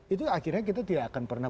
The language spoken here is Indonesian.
itu akhirnya kita tidak akan pernah